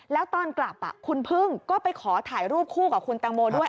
แล้วตอนกลับคุณพึ่งก็ไปขอถ่ายรูปคู่กับคุณแตงโมด้วย